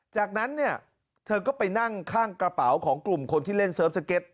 จากนั้นเนี่ยเธอก็ไปนั่งข้างกระเป๋าของกลุ่มคนที่เล่นเสิร์ฟสเก็ต